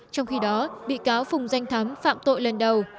trong khi đó bị cáo phùng danh thắm phạm tội lần đầu